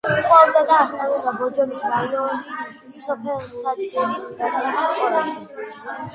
ცხოვრობდა და ასწავლიდა ბორჯომის რაიონის სოფელ სადგერის დაწყებით სკოლაში.